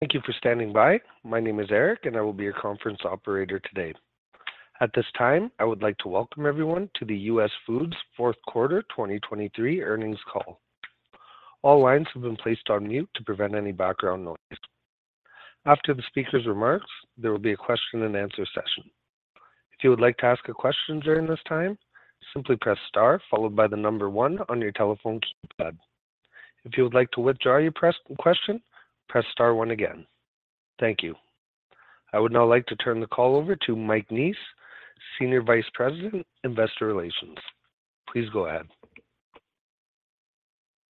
Thank you for standing by. My name is Eric, and I will be your conference operator today. At this time, I would like to welcome everyone to the US Foods fourth quarter 2023 earnings call. All lines have been placed on mute to prevent any background noise. After the speaker's remarks, there will be a question-and-answer session. If you would like to ask a question during this time, simply press star followed by the number one on your telephone keypad. If you would like to withdraw your press question, press star one again. Thank you. I would now like to turn the call over to Mike Neese, Senior Vice President, Investor Relations. Please go ahead.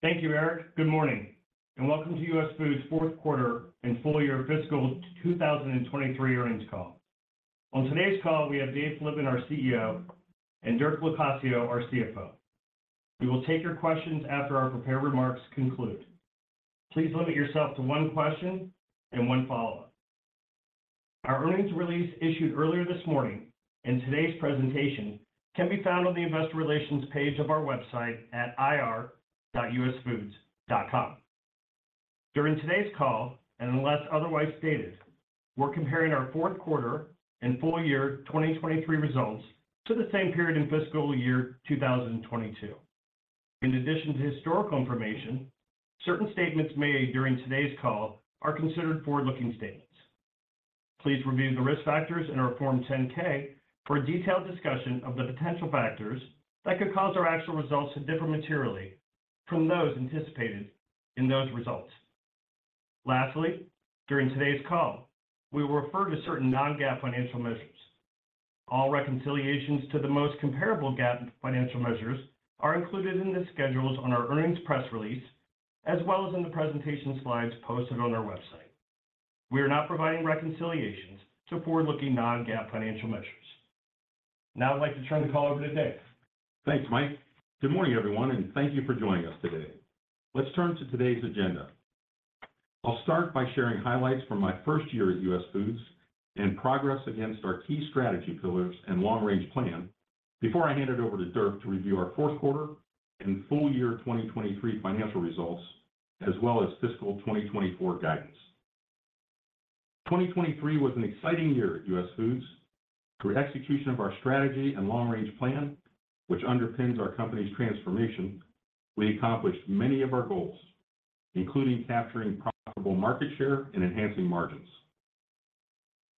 Thank you, Eric. Good morning, and welcome to US Foods fourth quarter and full year fiscal 2023 earnings call. On today's call, we have Dave Flitman, our CEO, and Dirk Locascio, our CFO. We will take your questions after our prepared remarks conclude. Please limit yourself to one question and one follow-up. Our earnings release issued earlier this morning and today's presentation can be found on the Investor Relations page of our website at IR.USFoods.com. During today's call, and unless otherwise stated, we're comparing our fourth quarter and full year 2023 results to the same period in fiscal year 2022. In addition to historical information, certain statements made during today's call are considered forward-looking statements. Please review the risk factors in our Form 10-K for a detailed discussion of the potential factors that could cause our actual results to differ materially from those anticipated in those results. Lastly, during today's call, we will refer to certain non-GAAP financial measures. All reconciliations to the most comparable GAAP financial measures are included in the schedules on our earnings press release, as well as in the presentation slides posted on our website. We are not providing reconciliations to forward-looking non-GAAP financial measures. Now I'd like to turn the call over to Dave. Thanks, Mike. Good morning, everyone, and thank you for joining us today. Let's turn to today's agenda. I'll start by sharing highlights from my first year at US Foods and progress against our key strategy pillars and long-range plan before I hand it over to Dirk to review our fourth quarter and full year 2023 financial results, as well as fiscal 2024 guidance. 2023 was an exciting year at US Foods. Through execution of our strategy and long-range plan, which underpins our company's transformation, we accomplished many of our goals, including capturing profitable market share and enhancing margins.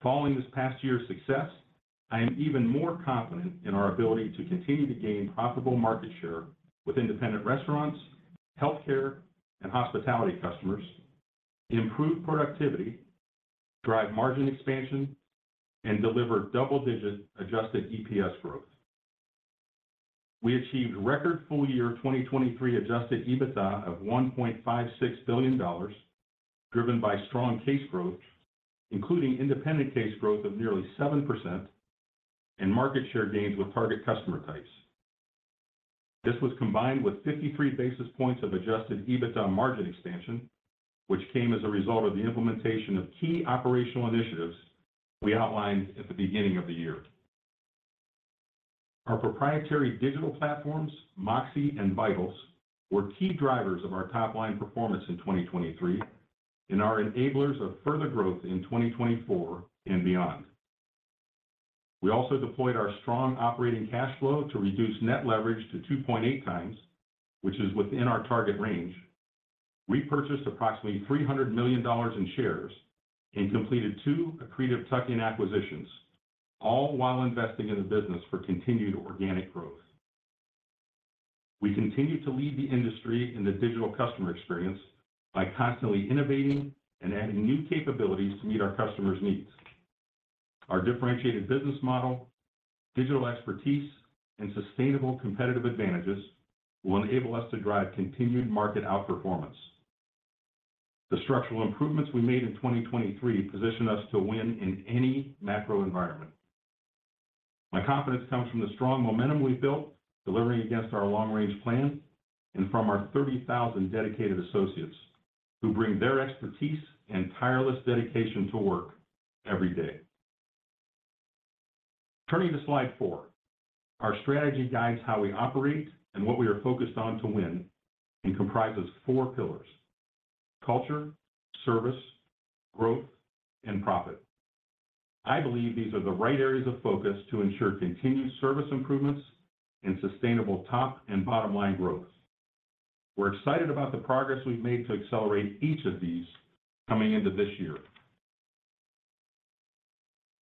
Following this past year's success, I am even more confident in our ability to continue to gain profitable market share with independent restaurants, healthcare, and hospitality customers, improve productivity, drive margin expansion, and deliver double-digit Adjusted EPS growth. We achieved record full year 2023 Adjusted EBITDA of $1.56 billion, driven by strong case growth, including independent case growth of nearly 7%, and market share gains with target customer types. This was combined with 53 basis points of Adjusted EBITDA margin expansion, which came as a result of the implementation of key operational initiatives we outlined at the beginning of the year. Our proprietary digital platforms, MOXē and Vitals, were key drivers of our top-line performance in 2023 and are enablers of further growth in 2024 and beyond. We also deployed our strong operating cash flow to reduce net leverage to 2.8x, which is within our target range, repurchased approximately $300 million in shares, and completed two accretive tuck-in acquisitions, all while investing in the business for continued organic growth. We continue to lead the industry in the digital customer experience by constantly innovating and adding new capabilities to meet our customers' needs. Our differentiated business model, digital expertise, and sustainable competitive advantages will enable us to drive continued market outperformance. The structural improvements we made in 2023 position us to win in any macro environment. My confidence comes from the strong momentum we've built delivering against our long-range plan and from our 30,000 dedicated associates who bring their expertise and tireless dedication to work every day. Turning to Slide 4, our strategy guides how we operate and what we are focused on to win and comprises four pillars: culture, service, growth, and profit. I believe these are the right areas of focus to ensure continued service improvements and sustainable top and bottom-line growth. We're excited about the progress we've made to accelerate each of these coming into this year.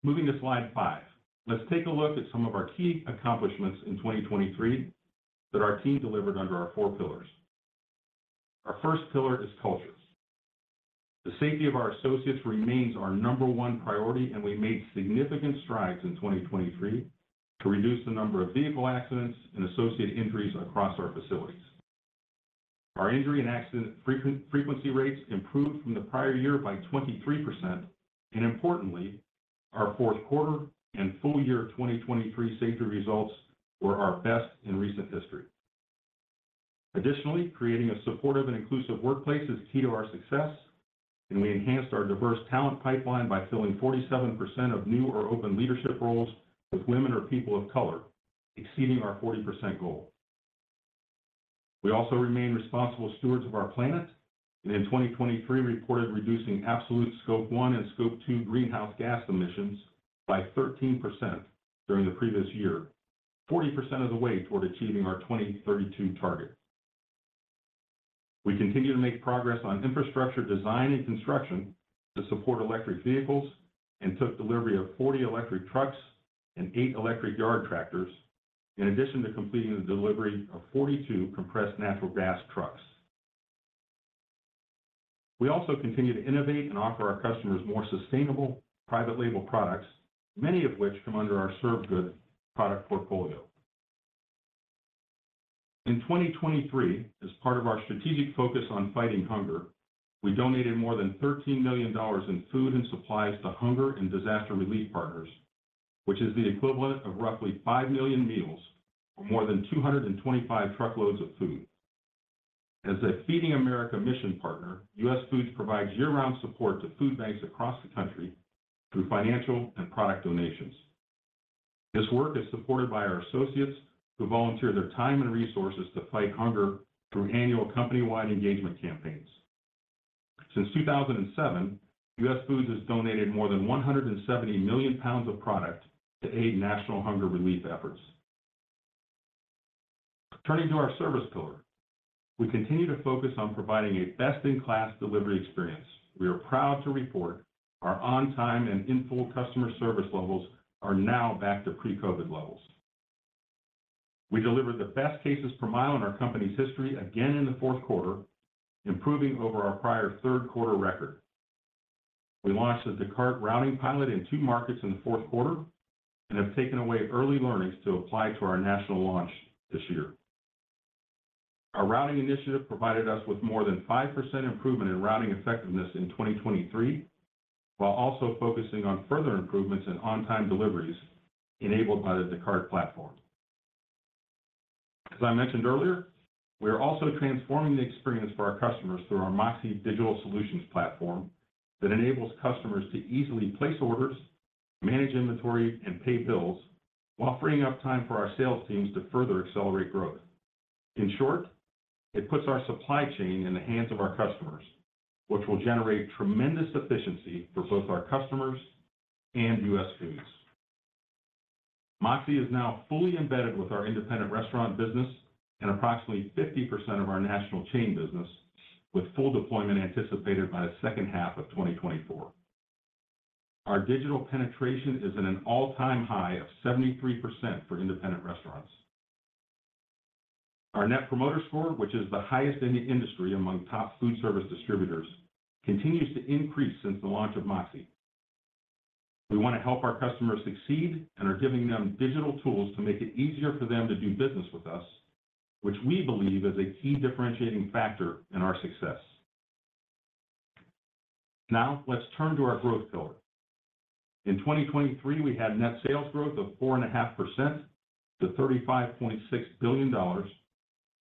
Moving to Slide 5, let's take a look at some of our key accomplishments in 2023 that our team delivered under our four pillars. Our first pillar is culture. The safety of our associates remains our number one priority, and we made significant strides in 2023 to reduce the number of vehicle accidents and associated injuries across our facilities. Our injury and accident frequency rates improved from the prior year by 23%, and importantly, our fourth quarter and full year 2023 safety results were our best in recent history. Additionally, creating a supportive and inclusive workplace is key to our success, and we enhanced our diverse talent pipeline by filling 47% of new or open leadership roles with women or people of color, exceeding our 40% goal. We also remain responsible stewards of our planet and in 2023 reported reducing absolute Scope 1 and Scope 2 greenhouse gas emissions by 13% during the previous year, 40% of the way toward achieving our 2032 target. We continue to make progress on infrastructure design and construction to support electric vehicles and took delivery of 40 electric trucks and eight electric yard tractors, in addition to completing the delivery of 42 compressed natural gas trucks. We also continue to innovate and offer our customers more sustainable private label products, many of which come under our Serve Good product portfolio. In 2023, as part of our strategic focus on fighting hunger, we donated more than $13 million in food and supplies to Hunger and Disaster Relief Partners, which is the equivalent of roughly 5 million meals or more than 225 truckloads of food. As a Feeding America mission partner, US Foods provides year-round support to food banks across the country through financial and product donations. This work is supported by our associates who volunteer their time and resources to fight hunger through annual company-wide engagement campaigns. Since 2007, US Foods has donated more than $170 million of product to aid national hunger relief efforts. Turning to our service pillar, we continue to focus on providing a best-in-class delivery experience. We are proud to report our on-time and in-full customer service levels are now back to pre-COVID levels. We delivered the best cases per mile in our company's history again in the fourth quarter, improving over our prior third quarter record. We launched a Descartes routing pilot in two markets in the fourth quarter and have taken away early learnings to apply to our national launch this year. Our routing initiative provided us with more than 5% improvement in routing effectiveness in 2023, while also focusing on further improvements and on-time deliveries enabled by the Descartes platform. As I mentioned earlier, we are also transforming the experience for our customers through our MOXē Digital Solutions platform that enables customers to easily place orders, manage inventory, and pay bills, while freeing up time for our sales teams to further accelerate growth. In short, it puts our supply chain in the hands of our customers, which will generate tremendous efficiency for both our customers and US Foods. MOXē is now fully embedded with our independent restaurant business and approximately 50% of our national chain business, with full deployment anticipated by the second half of 2024. Our digital penetration is at an all-time high of 73% for independent restaurants. Our Net Promoter Score, which is the highest in the industry among top food service distributors, continues to increase since the launch of MOXē. We want to help our customers succeed and are giving them digital tools to make it easier for them to do business with us, which we believe is a key differentiating factor in our success. Now let's turn to our growth pillar. In 2023, we had net sales growth of 4.5% to $35.6 billion,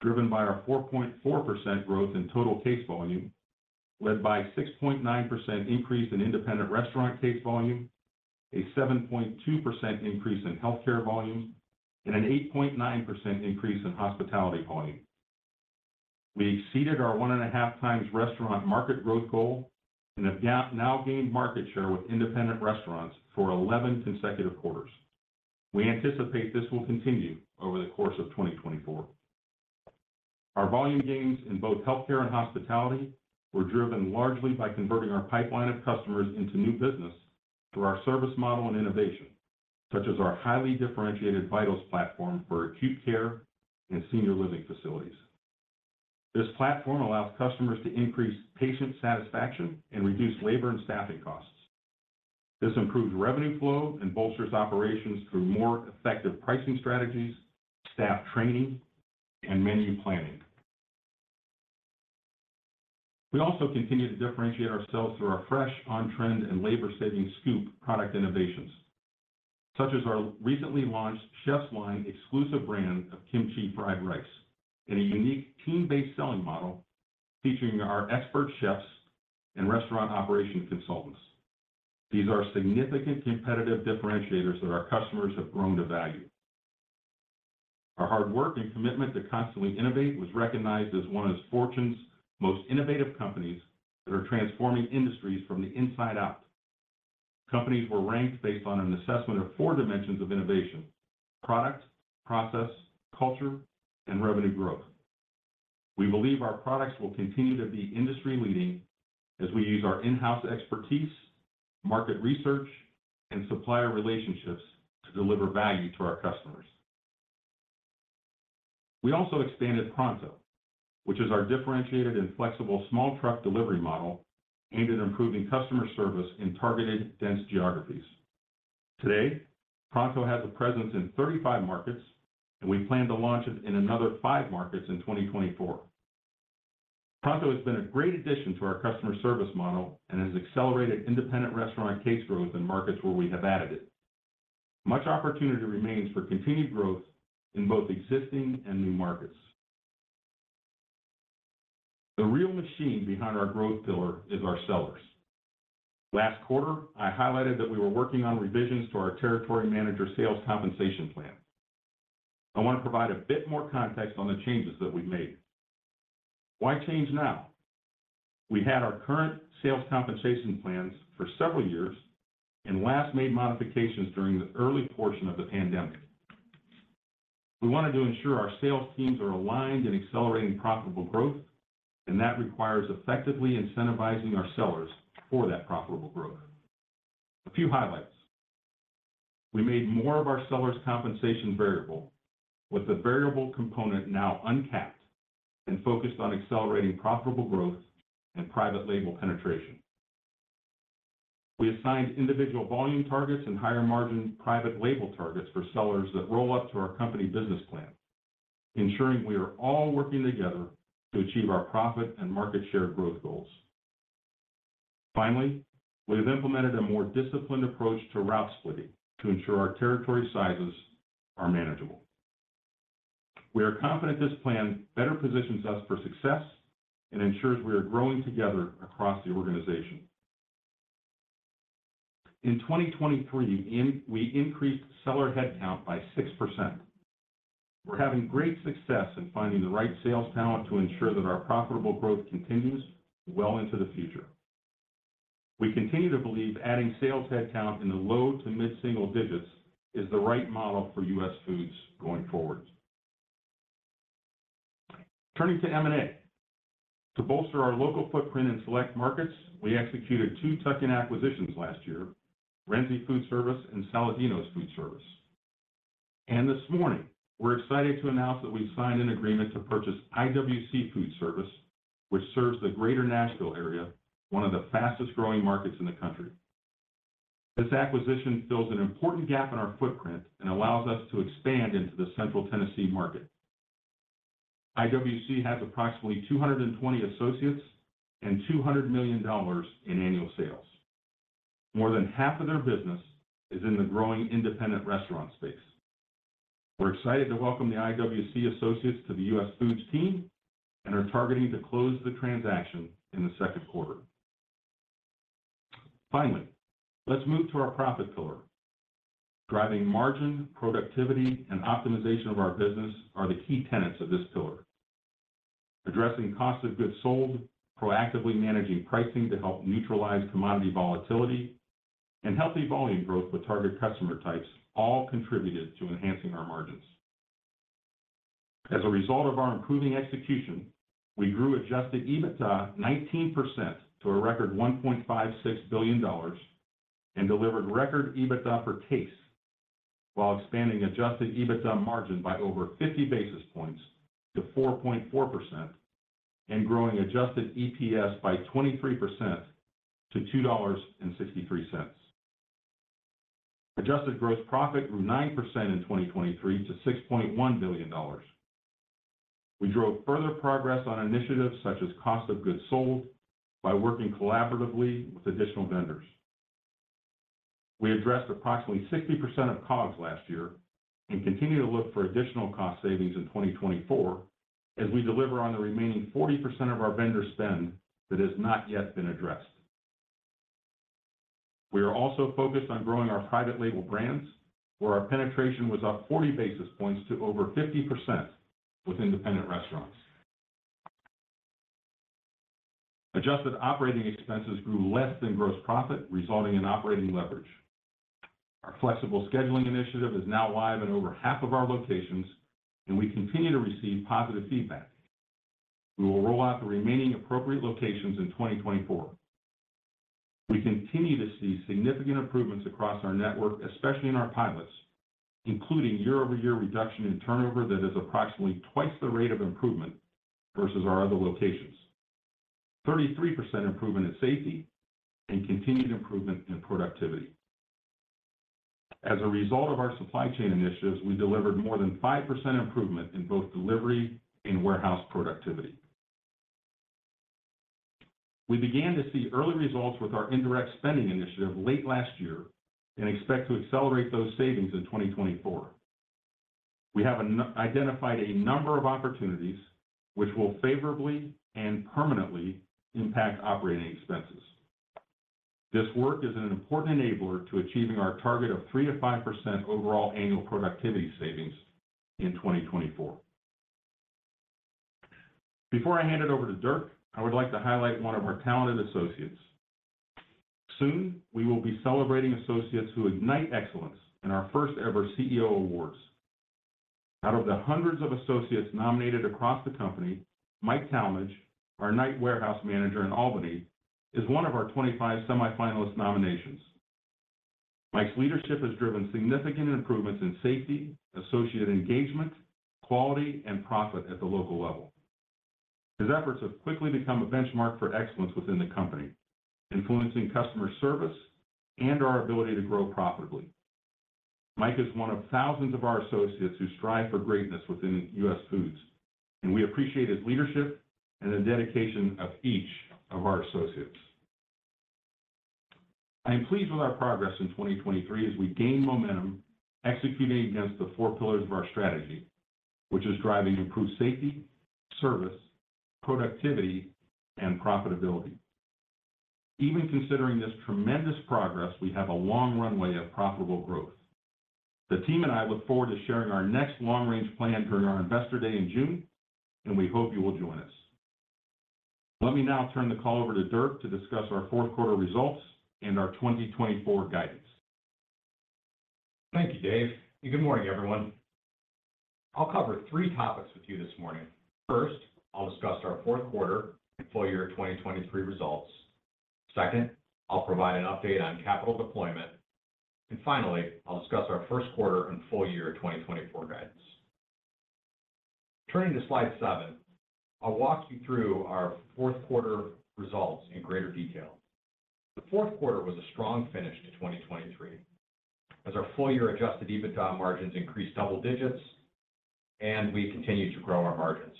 driven by our 4.4% growth in total case volume, led by a 6.9% increase in independent restaurant case volume, a 7.2% increase in healthcare volume, and an 8.9% increase in hospitality volume. We exceeded our 1.5x restaurant market growth goal and have now gained market share with independent restaurants for 11 consecutive quarters. We anticipate this will continue over the course of 2024. Our volume gains in both healthcare and hospitality were driven largely by converting our pipeline of customers into new business through our service model and innovation, such as our highly differentiated Vitals platform for acute care and senior living facilities. This platform allows customers to increase patient satisfaction and reduce labor and staffing costs. This improves revenue flow and bolsters operations through more effective pricing strategies, staff training, and menu planning. We also continue to differentiate ourselves through our fresh, on-trend, and labor-saving Scoop product innovations, such as our recently launched Chef's Line exclusive brand of kimchi fried rice and a unique team-based selling model featuring our expert chefs and restaurant operation consultants. These are significant competitive differentiators that our customers have grown to value. Our hard work and commitment to constantly innovate was recognized as one of Fortune's most innovative companies that are transforming industries from the inside out. Companies were ranked based on an assessment of four dimensions of innovation: product, process, culture, and revenue growth. We believe our products will continue to be industry-leading as we use our in-house expertise, market research, and supplier relationships to deliver value to our customers. We also expanded Pronto, which is our differentiated and flexible small truck delivery model aimed at improving customer service in targeted dense geographies. Today, Pronto has a presence in 35 markets, and we plan to launch it in another five markets in 2024. Pronto has been a great addition to our customer service model and has accelerated independent restaurant case growth in markets where we have added it. Much opportunity remains for continued growth in both existing and new markets. The real machine behind our growth pillar is our sellers. Last quarter, I highlighted that we were working on revisions to our territory manager sales compensation plan. I want to provide a bit more context on the changes that we made. Why change now? We had our current sales compensation plans for several years and last made modifications during the early portion of the pandemic. We wanted to ensure our sales teams are aligned in accelerating profitable growth, and that requires effectively incentivizing our sellers for that profitable growth. A few highlights: We made more of our sellers' compensation variable, with the variable component now uncapped and focused on accelerating profitable growth and private label penetration. We assigned individual volume targets and higher margin private label targets for sellers that roll up to our company business plan, ensuring we are all working together to achieve our profit and market share growth goals. Finally, we have implemented a more disciplined approach to route splitting to ensure our territory sizes are manageable. We are confident this plan better positions us for success and ensures we are growing together across the organization. In 2023, we increased seller headcount by 6%. We're having great success in finding the right sales talent to ensure that our profitable growth continues well into the future. We continue to believe adding sales headcount in the low to mid-single digits is the right model for US Foods going forward. Turning to M&A. To bolster our local footprint in select markets, we executed two tuck-in acquisitions last year: Renzi Food Service and Saladino's Food Service. And this morning, we're excited to announce that we signed an agreement to purchase IWC Food Service, which serves the Greater Nashville area, one of the fastest growing markets in the country. This acquisition fills an important gap in our footprint and allows us to expand into the central Tennessee market. IWC has approximately 220 associates and $200 million in annual sales. More than half of their business is in the growing independent restaurant space. We're excited to welcome the IWC associates to the US Foods team and are targeting to close the transaction in the second quarter. Finally, let's move to our profit pillar. Driving margin, productivity, and optimization of our business are the key tenets of this pillar. Addressing cost of goods sold, proactively managing pricing to help neutralize commodity volatility, and healthy volume growth with target customer types all contributed to enhancing our margins. As a result of our improving execution, we grew adjusted EBITDA 19% to a record $1.56 billion and delivered record EBITDA per case, while expanding adjusted EBITDA margin by over 50 basis points to 4.4% and growing adjusted EPS by 23% to $2.63. Adjusted gross profit grew 9% in 2023 to $6.1 billion. We drove further progress on initiatives such as cost of goods sold by working collaboratively with additional vendors. We addressed approximately 60% of COGS last year and continue to look for additional cost savings in 2024 as we deliver on the remaining 40% of our vendor spend that has not yet been addressed. We are also focused on growing our private label brands, where our penetration was up 40 basis points to over 50% with independent restaurants. Adjusted operating expenses grew less than gross profit, resulting in operating leverage. Our flexible scheduling initiative is now live in over half of our locations, and we continue to receive positive feedback. We will roll out the remaining appropriate locations in 2024. We continue to see significant improvements across our network, especially in our pilots, including year-over-year reduction in turnover that is approximately twice the rate of improvement versus our other locations: 33% improvement in safety and continued improvement in productivity. As a result of our supply chain initiatives, we delivered more than 5% improvement in both delivery and warehouse productivity. We began to see early results with our indirect spending initiative late last year and expect to accelerate those savings in 2024. We have identified a number of opportunities which will favorably and permanently impact operating expenses. This work is an important enabler to achieving our target of 3%-5% overall annual productivity savings in 2024. Before I hand it over to Dirk, I would like to highlight one of our talented associates. Soon, we will be celebrating associates who ignite excellence in our first-ever CEO Awards. Out of the hundreds of associates nominated across the company, Mike Talmadge, our night warehouse manager in Albany, is one of our 25 semi-finalist nominations. Mike's leadership has driven significant improvements in safety, associate engagement, quality, and profit at the local level. His efforts have quickly become a benchmark for excellence within the company, influencing customer service and our ability to grow profitably. Mike is one of thousands of our associates who strive for greatness within US Foods, and we appreciate his leadership and the dedication of each of our associates. I am pleased with our progress in 2023 as we gain momentum executing against the four pillars of our strategy, which is driving improved safety, service, productivity, and profitability. Even considering this tremendous progress, we have a long runway of profitable growth. The team and I look forward to sharing our next long-range plan during our investor day in June, and we hope you will join us. Let me now turn the call over to Dirk to discuss our fourth quarter results and our 2024 guidance. Thank you, Dave. Good morning, everyone. I'll cover three topics with you this morning. First, I'll discuss our fourth quarter and full year 2023 results. Second, I'll provide an update on capital deployment. Finally, I'll discuss our first quarter and full year 2024 guidance. Turning to Slide 7, I'll walk you through our fourth quarter results in greater detail. The fourth quarter was a strong finish to 2023 as our full year Adjusted EBITDA margins increased double digits, and we continued to grow our margins.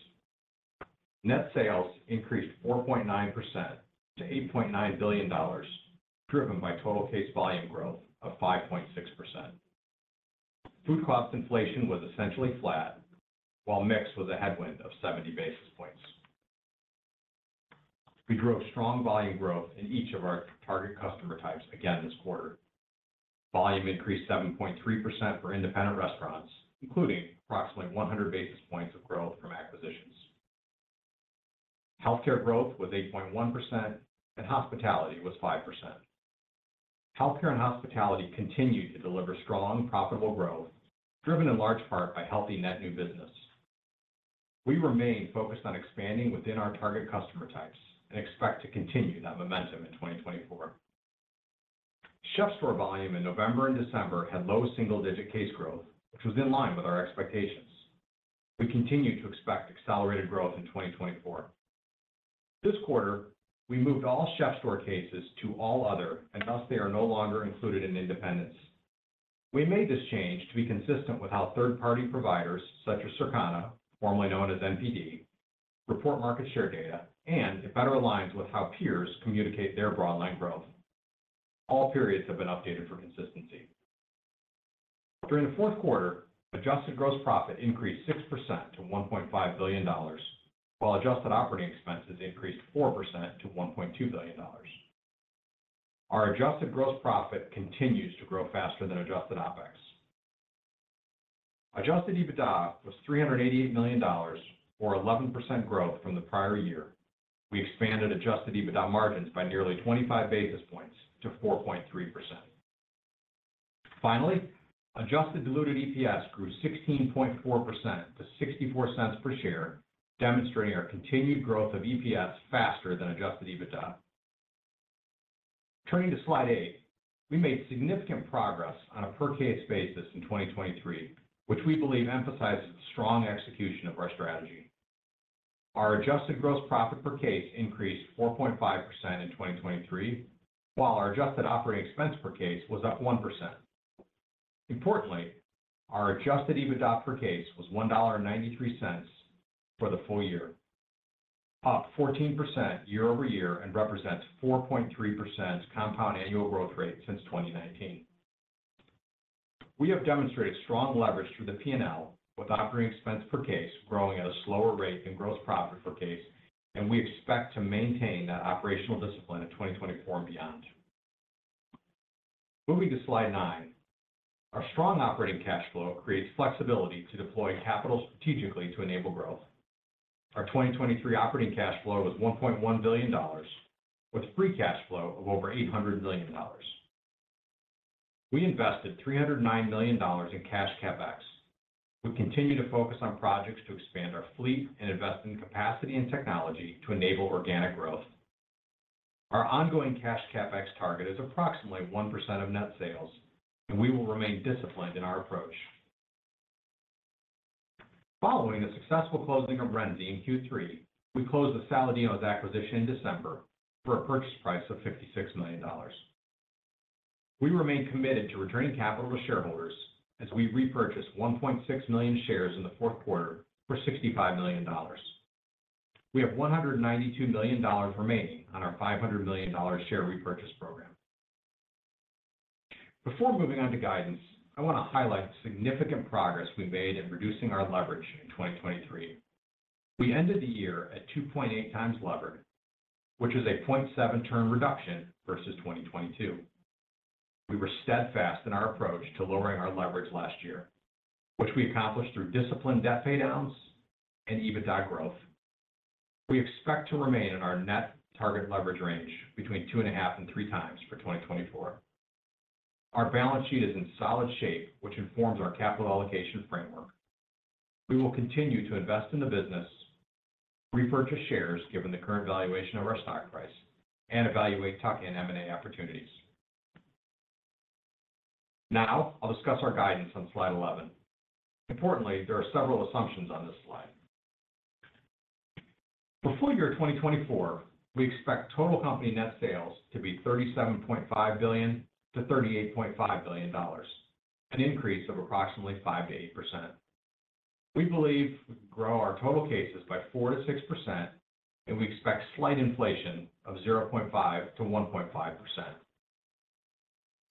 Net sales increased 4.9% to $8.9 billion, driven by total case volume growth of 5.6%. Food cost inflation was essentially flat, while mix was a headwind of 70 basis points. We drove strong volume growth in each of our target customer types again this quarter. Volume increased 7.3% for independent restaurants, including approximately 100 basis points of growth from acquisitions. Healthcare growth was 8.1%, and hospitality was 5%. Healthcare and hospitality continued to deliver strong, profitable growth, driven in large part by healthy net new business. We remain focused on expanding within our target customer types and expect to continue that momentum in 2024. CHEF'STORE volume in November and December had low single-digit case growth, which was in line with our expectations. We continue to expect accelerated growth in 2024. This quarter, we moved all CHEF'STORE cases to all other, and thus they are no longer included in independents. We made this change to be consistent with how third-party providers such as Circana, formerly known as NPD, report market share data and, if that aligns with how peers communicate their broadline growth. All periods have been updated for consistency. During the fourth quarter, adjusted gross profit increased 6% to $1.5 billion, while adjusted operating expenses increased 4% to $1.2 billion. Our adjusted gross profit continues to grow faster than adjusted OpEx. Adjusted EBITDA was $388 million, or 11% growth from the prior year. We expanded adjusted EBITDA margins by nearly 25 basis points to 4.3%. Finally, adjusted diluted EPS grew 16.4% to $0.64 per share, demonstrating our continued growth of EPS faster than adjusted EBITDA. Turning to Slide 8, we made significant progress on a per-case basis in 2023, which we believe emphasizes the strong execution of our strategy. Our adjusted gross profit per case increased 4.5% in 2023, while our adjusted operating expense per case was up 1%. Importantly, our adjusted EBITDA per case was $1.93 for the full year, up 14% year-over-year and represents 4.3% compound annual growth rate since 2019. We have demonstrated strong leverage through the P&L, with operating expense per case growing at a slower rate than gross profit per case, and we expect to maintain that operational discipline in 2024 and beyond. Moving to Slide 9, our strong operating cash flow creates flexibility to deploy capital strategically to enable growth. Our 2023 operating cash flow was $1.1 billion, with free cash flow of over $800 million. We invested $309 million in cash CapEx. We continue to focus on projects to expand our fleet and invest in capacity and technology to enable organic growth. Our ongoing cash CapEx target is approximately 1% of net sales, and we will remain disciplined in our approach. Following the successful closing of Renzi in Q3, we closed the Saladino's acquisition in December for a purchase price of $56 million. We remain committed to returning capital to shareholders as we repurchased 1.6 million shares in the fourth quarter for $65 million. We have $192 million remaining on our $500 million share repurchase program. Before moving on to guidance, I want to highlight significant progress we made in reducing our leverage in 2023. We ended the year at 2.8x levered, which is a 0.7-turn reduction versus 2022. We were steadfast in our approach to lowering our leverage last year, which we accomplished through disciplined debt paydowns and EBITDA growth. We expect to remain in our net target leverage range between 2.5x and 3x for 2024. Our balance sheet is in solid shape, which informs our capital allocation framework. We will continue to invest in the business, repurchase shares given the current valuation of our stock price, and evaluate tuck-in M&A opportunities. Now I'll discuss our guidance on Slide 11. Importantly, there are several assumptions on this slide. For full year 2024, we expect total company net sales to be $37.5 billion-$38.5 billion, an increase of approximately 5%-8%. We believe we can grow our total cases by 4%-6%, and we expect slight inflation of 0.5%-1.5%.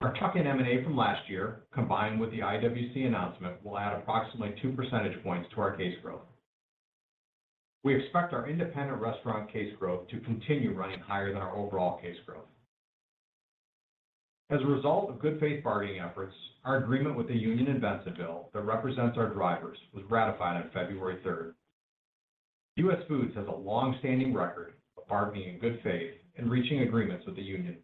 Our tuck-in M&A from last year, combined with the IWC announcement, will add approximately two percentage points to our case growth. We expect our independent restaurant case growth to continue running higher than our overall case growth. As a result of good faith bargaining efforts, our agreement with the Serve Good that represents our drivers was ratified on February 3rd. US Foods has a longstanding record of bargaining in good faith and reaching agreements with the Union.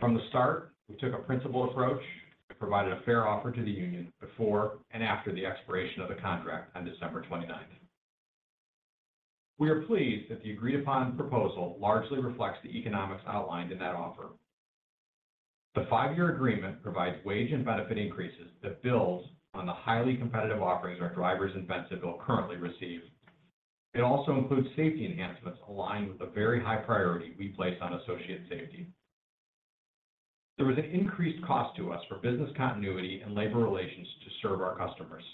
From the start, we took a principled approach and provided a fair offer to the Union before and after the expiration of the contract on December 29th. We are pleased that the agreed-upon proposal largely reflects the economics outlined in that offer. The five-year agreement provides wage and benefit increases that build on the highly competitive offerings our drivers' incentive plan currently receive. It also includes safety enhancements aligned with the very high priority we place on associate safety. There was an increased cost to us for business continuity and labor relations to serve our customers,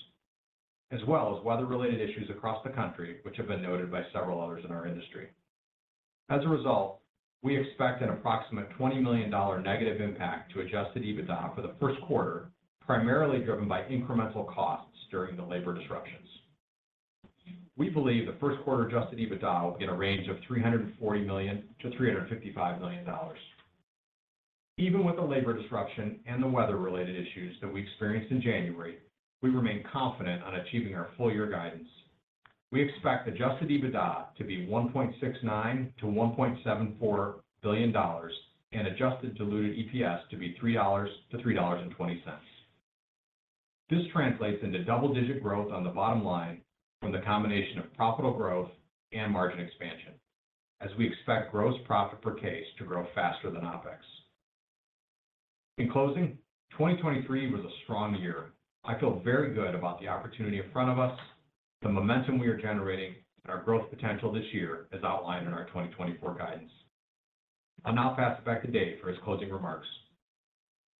as well as weather-related issues across the country, which have been noted by several others in our industry. As a result, we expect an approximate $20 million negative impact to adjusted EBITDA for the first quarter, primarily driven by incremental costs during the labor disruptions. We believe the first quarter Adjusted EBITDA will be in a range of $340 million-$355 million. Even with the labor disruption and the weather-related issues that we experienced in January, we remain confident on achieving our full year guidance. We expect Adjusted EBITDA to be $1.69 billion-$1.74 billion and adjusted diluted EPS to be $3-$3.20. This translates into double-digit growth on the bottom line from the combination of profitable growth and margin expansion, as we expect gross profit per case to grow faster than OPEX. In closing, 2023 was a strong year. I feel very good about the opportunity in front of us, the momentum we are generating, and our growth potential this year as outlined in our 2024 guidance. I'll now pass it back to Dave for his closing remarks.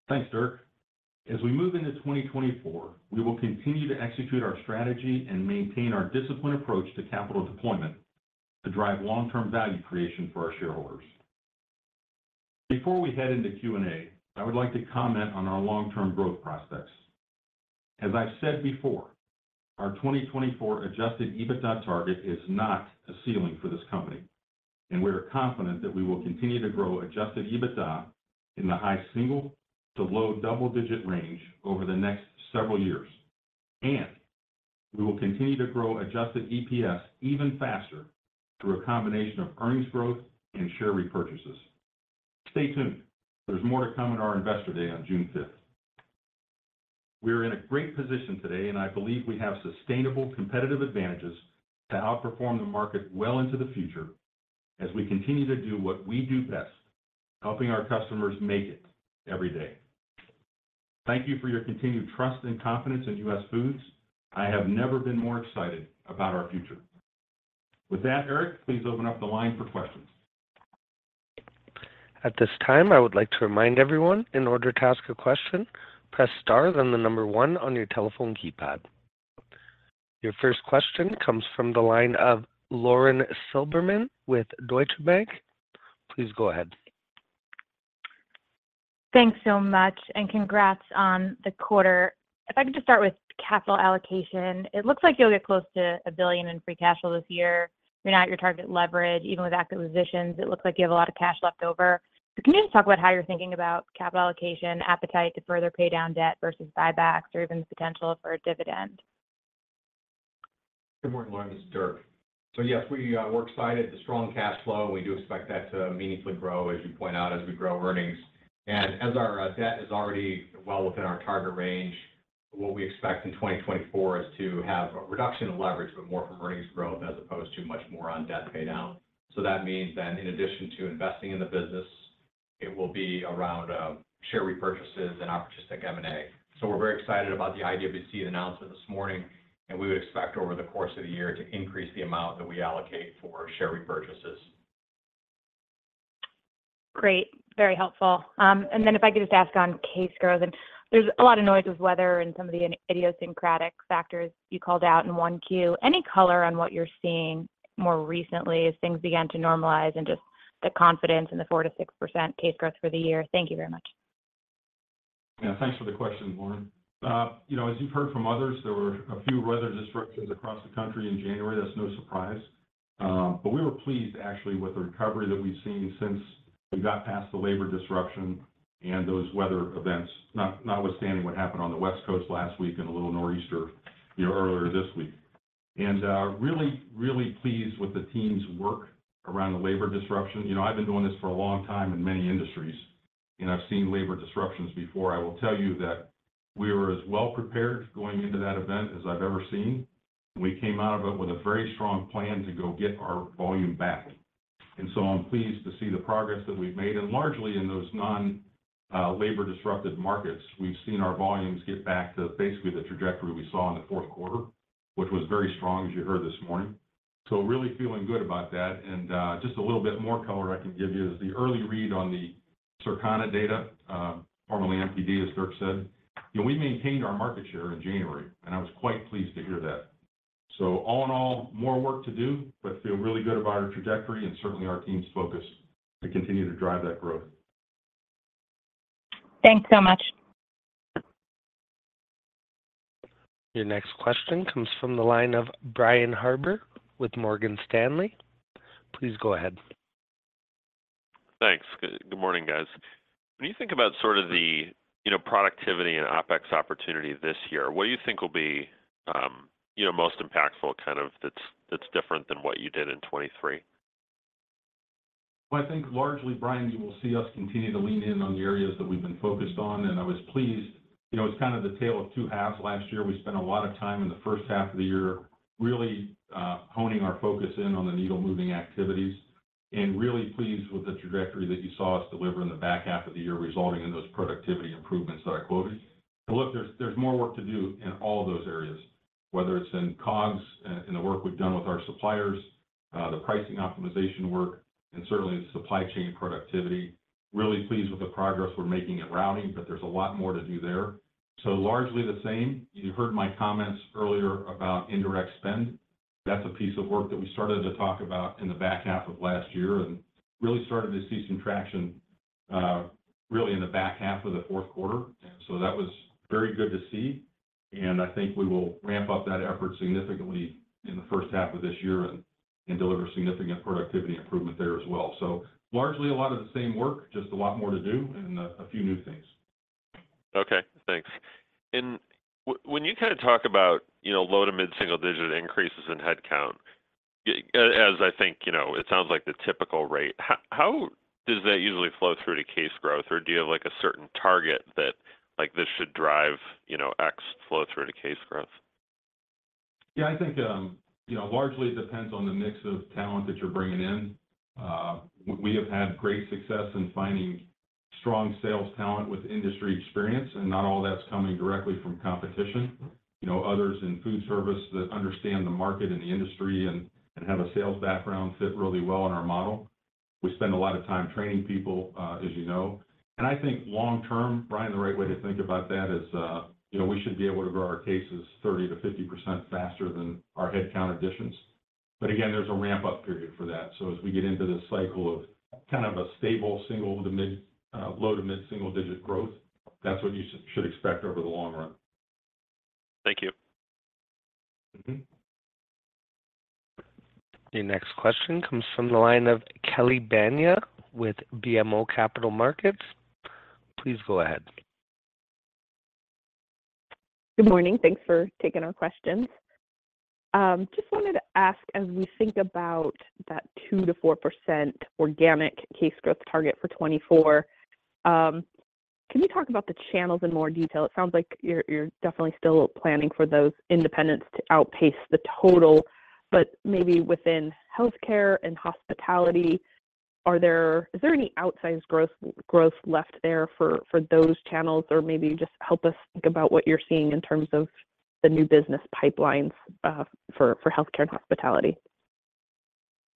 Thanks, Dirk. As we move into 2024, we will continue to execute our strategy and maintain our disciplined approach to capital deployment to drive long-term value creation for our shareholders. Before we head into Q&A, I would like to comment on our long-term growth prospects. As I've said before, our 2024 adjusted EBITDA target is not a ceiling for this company, and we are confident that we will continue to grow adjusted EBITDA in the high single to low double-digit range over the next several years. We will continue to grow adjusted EPS even faster through a combination of earnings growth and share repurchases. Stay tuned. There's more to come in our investor day on June 5th. We are in a great position today, and I believe we have sustainable competitive advantages to outperform the market well into the future as we continue to do what we do best, helping our customers make it every day. Thank you for your continued trust and confidence in US Foods. I have never been more excited about our future. With that, Eric, please open up the line for questions. At this time, I would like to remind everyone, in order to ask a question, press star then one on your telephone keypad. Your first question comes from the line of Lauren Silberman with Deutsche Bank. Please go ahead. Thanks so much, and congrats on the quarter. If I could just start with capital allocation, it looks like you'll get close to $1 billion in free cash flow this year. You're not at your target leverage. Even with acquisitions, it looks like you have a lot of cash left over. Can you just talk about how you're thinking about capital allocation, appetite to further pay down debt versus buybacks, or even the potential for a dividend? Good morning, Lauren. This is Dirk. So yes, we're excited. The strong cash flow, we do expect that to meaningfully grow, as you point out, as we grow earnings. And as our debt is already well within our target range, what we expect in 2024 is to have a reduction in leverage but more from earnings growth as opposed to much more on debt paydown. So that means then, in addition to investing in the business, it will be around share repurchases and opportunistic M&A. So we're very excited about the IWC announcement this morning, and we would expect over the course of the year to increase the amount that we allocate for share repurchases. Great. Very helpful. And then if I could just ask on case growth, and there's a lot of noise with weather and some of the idiosyncratic factors you called out in 1Q. Any color on what you're seeing more recently as things began to normalize and just the confidence in the 4%-6% case growth for the year? Thank you very much. Yeah. Thanks for the question, Lauren. As you've heard from others, there were a few weather disruptions across the country in January. That's no surprise. But we were pleased, actually, with the recovery that we've seen since we got past the labor disruption and those weather events, notwithstanding what happened on the West Coast last week and a little northeaster earlier this week. And really, really pleased with the team's work around the labor disruption. I've been doing this for a long time in many industries, and I've seen labor disruptions before. I will tell you that we were as well prepared going into that event as I've ever seen. We came out of it with a very strong plan to go get our volume back. And so I'm pleased to see the progress that we've made. And largely in those non-labor disrupted markets, we've seen our volumes get back to basically the trajectory we saw in the fourth quarter, which was very strong, as you heard this morning. So really feeling good about that. And just a little bit more color I can give you is the early read on the Circana data, formerly NPD, as Dirk said. We maintained our market share in January, and I was quite pleased to hear that. So all in all, more work to do, but feel really good about our trajectory and certainly our team's focus to continue to drive that growth. Thanks so much. Your next question comes from the line of Brian Harbor with Morgan Stanley. Please go ahead. Thanks. Good morning, guys. When you think about sort of the productivity and OpEx opportunity this year, what do you think will be most impactful, kind of that's different than what you did in 2023? Well, I think largely, Brian, you will see us continue to lean in on the areas that we've been focused on. I was pleased. It's kind of the tale of two halves. Last year, we spent a lot of time in the first half of the year really honing our focus in on the needle-moving activities and really pleased with the trajectory that you saw us deliver in the back half of the year, resulting in those productivity improvements that I quoted. But look, there's more work to do in all of those areas, whether it's in COGS, in the work we've done with our suppliers, the pricing optimization work, and certainly supply chain productivity. Really pleased with the progress we're making in routing, but there's a lot more to do there. So largely the same. You heard my comments earlier about indirect spend. That's a piece of work that we started to talk about in the back half of last year and really started to see some traction really in the back half of the fourth quarter. That was very good to see. I think we will ramp up that effort significantly in the first half of this year and deliver significant productivity improvement there as well. Largely a lot of the same work, just a lot more to do and a few new things. Okay. Thanks. When you kind of talk about low to mid-single digit increases in headcount, as I think it sounds like the typical rate, how does that usually flow through to case growth, or do you have a certain target that this should drive X flow through to case growth? Yeah. I think largely it depends on the mix of talent that you're bringing in. We have had great success in finding strong sales talent with industry experience, and not all that's coming directly from competition. Others in food service that understand the market and the industry and have a sales background fit really well in our model. We spend a lot of time training people, as you know. And I think long-term, Brian, the right way to think about that is we should be able to grow our cases 30%-50% faster than our headcount additions. But again, there's a ramp-up period for that. So as we get into this cycle of kind of a stable low to mid-single digit growth, that's what you should expect over the long run. Thank you. Your next question comes from the line of Kelly Bania with BMO Capital Markets. Please go ahead. Good morning. Thanks for taking our questions. Just wanted to ask, as we think about that 2%-4% organic case growth target for 2024, can you talk about the channels in more detail? It sounds like you're definitely still planning for those independents to outpace the total. But maybe within healthcare and hospitality, is there any outsized growth left there for those channels, or maybe just help us think about what you're seeing in terms of the new business pipelines for healthcare and hospitality?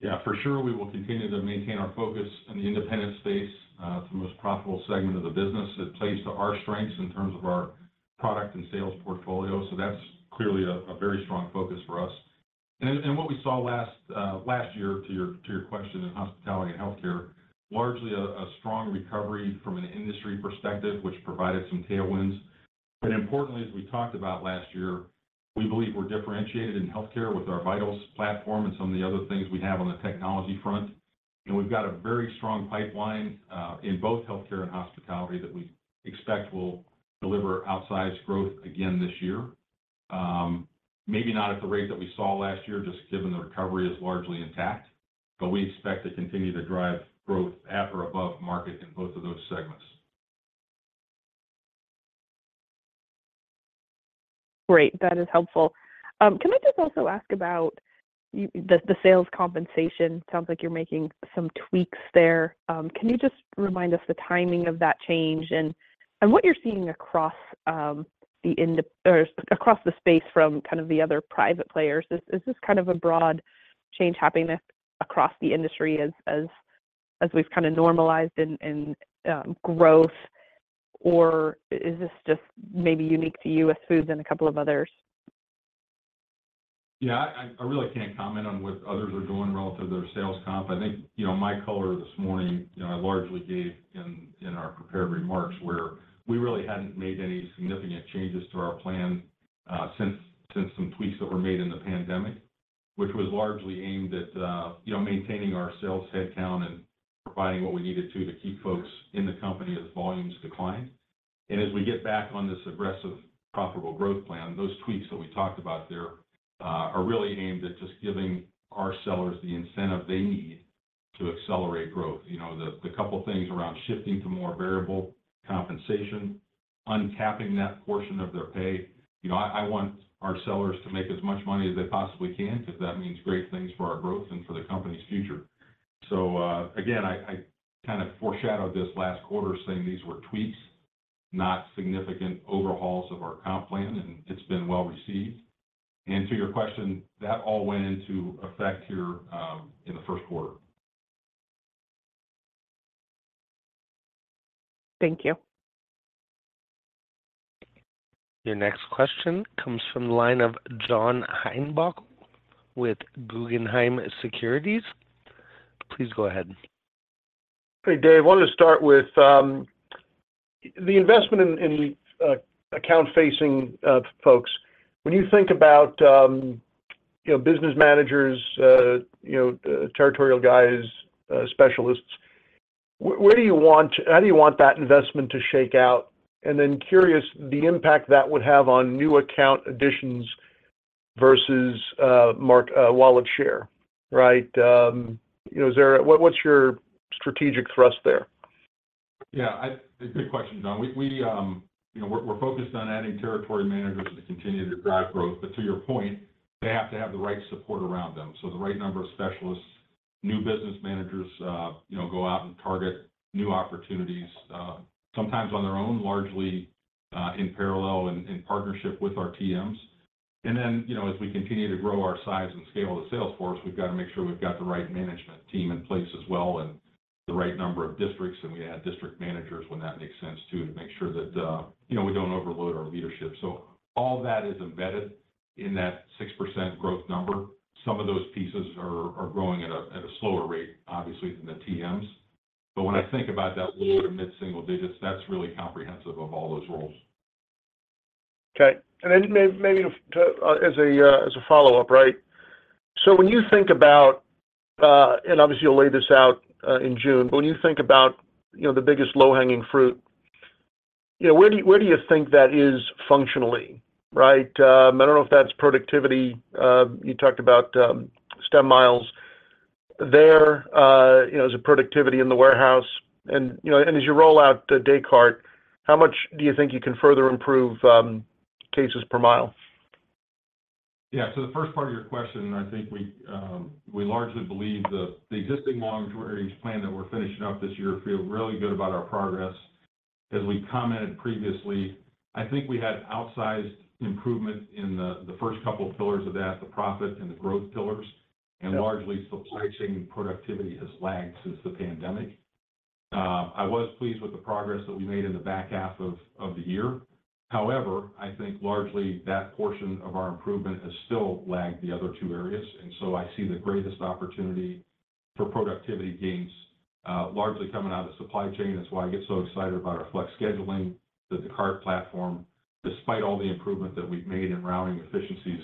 Yeah. For sure, we will continue to maintain our focus in the independent space. It's the most profitable segment of the business. It plays to our strengths in terms of our product and sales portfolio. So that's clearly a very strong focus for us. And what we saw last year, to your question in hospitality and healthcare, largely a strong recovery from an industry perspective, which provided some tailwinds. But importantly, as we talked about last year, we believe we're differentiated in healthcare with our Vitals platform and some of the other things we have on the technology front. And we've got a very strong pipeline in both healthcare and hospitality that we expect will deliver outsized growth again this year. Maybe not at the rate that we saw last year, just given the recovery is largely intact. But we expect to continue to drive growth at or above market in both of those segments. Great. That is helpful. Can I just also ask about the sales compensation? Sounds like you're making some tweaks there. Can you just remind us the timing of that change and what you're seeing across the space from kind of the other private players? Is this kind of a broad change happening across the industry as we've kind of normalized in growth, or is this just maybe unique to US Foods and a couple of others? Yeah. I really can't comment on what others are doing relative to their sales comp. I think my color this morning, I largely gave in our prepared remarks where we really hadn't made any significant changes to our plan since some tweaks that were made in the pandemic, which was largely aimed at maintaining our sales headcount and providing what we needed to to keep folks in the company as volumes declined. And as we get back on this aggressive profitable growth plan, those tweaks that we talked about there are really aimed at just giving our sellers the incentive they need to accelerate growth. The couple of things around shifting to more variable compensation, uncapping that portion of their pay. I want our sellers to make as much money as they possibly can because that means great things for our growth and for the company's future. Again, I kind of foreshadowed this last quarter saying these were tweaks, not significant overhauls of our comp plan, and it's been well received. To your question, that all went into effect here in the first quarter. Thank you. Your next question comes from the line of John Heinbockel with Guggenheim Securities. Please go ahead. Hey, Dave. I wanted to start with the investment in account-facing folks. When you think about business managers, territorial guys, specialists, where do you want that investment to shake out? And then curious, the impact that would have on new account additions versus wallet share, right? What's your strategic thrust there? Yeah. Good question, John. We're focused on adding territory managers to continue to drive growth. But to your point, they have to have the right support around them. So the right number of specialists, new business managers go out and target new opportunities, sometimes on their own, largely in parallel and in partnership with our TMs. And then as we continue to grow our size and scale of the sales force, we've got to make sure we've got the right management team in place as well and the right number of districts. And we add district managers, when that makes sense, too, to make sure that we don't overload our leadership. So all that is embedded in that 6% growth number. Some of those pieces are growing at a slower rate, obviously, than the TMs. When I think about that low- to mid-single digits, that's really comprehensive of all those roles. Okay. And then maybe as a follow-up, right, so when you think about and obviously, you'll lay this out in June. But when you think about the biggest low-hanging fruit, where do you think that is functionally, right? I don't know if that's productivity. You talked about truck miles. There, is it productivity in the warehouse? And as you roll out the Descartes, how much do you think you can further improve cases per mile? Yeah. To the first part of your question, I think we largely believe the existing long-term range plan that we're finishing up this year feels really good about our progress. As we commented previously, I think we had outsized improvement in the first couple of pillars of that, the profit and the growth pillars. And largely, subsidizing productivity has lagged since the pandemic. I was pleased with the progress that we made in the back half of the year. However, I think largely that portion of our improvement has still lagged the other two areas. And so I see the greatest opportunity for productivity gains largely coming out of supply chain. That's why I get so excited about our flex scheduling, the Descartes platform. Despite all the improvement that we've made in routing efficiencies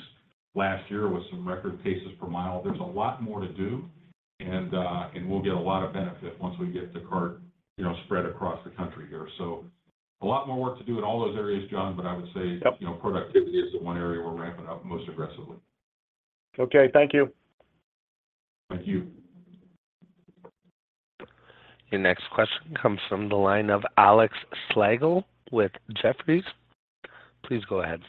last year with some record cases per mile, there's a lot more to do. We'll get a lot of benefit once we get Descartes spread across the country here. A lot more work to do in all those areas, John. I would say productivity is the one area we're ramping up most aggressively. Okay. Thank you. Thank you. Your next question comes from the line of Alex Slagle with Jefferies. Please go ahead.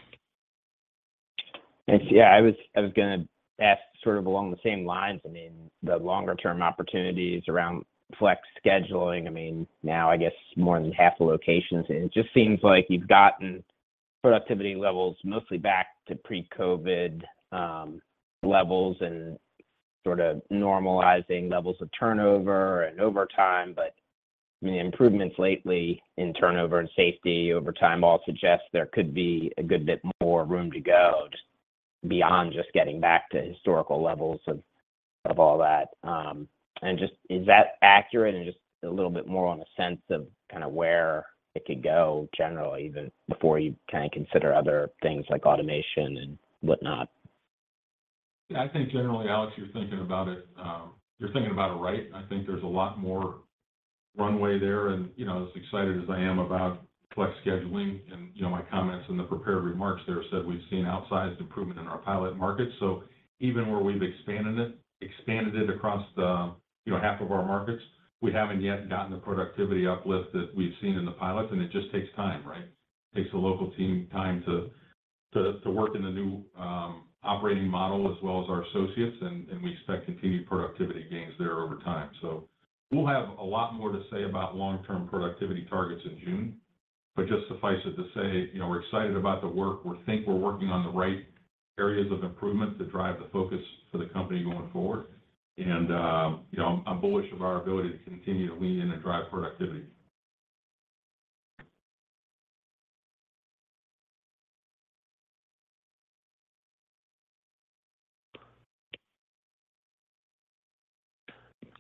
Thanks. Yeah. I was going to ask sort of along the same lines. I mean, the longer-term opportunities around flex scheduling, I mean, now, I guess, more than half the locations. And it just seems like you've gotten productivity levels mostly back to pre-COVID levels and sort of normalizing levels of turnover and overtime. But I mean, the improvements lately in turnover and safety over time all suggest there could be a good bit more room to go beyond just getting back to historical levels of all that. And just is that accurate and just a little bit more on a sense of kind of where it could go generally, even before you kind of consider other things like automation and whatnot? Yeah. I think generally, Alex, you're thinking about it. You're thinking about it right? I think there's a lot more runway there. And as excited as I am about flex scheduling and my comments and the prepared remarks there, I said we've seen outsized improvement in our pilot markets. So even where we've expanded it across half of our markets, we haven't yet gotten the productivity uplift that we've seen in the pilots. And it just takes time, right? It takes the local team time to work in the new operating model as well as our associates. And we expect continued productivity gains there over time. So we'll have a lot more to say about long-term productivity targets in June. But just suffice it to say, we're excited about the work. We think we're working on the right areas of improvement to drive the focus for the company going forward. I'm bullish of our ability to continue to lean in and drive productivity.